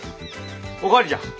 お代わりじゃ。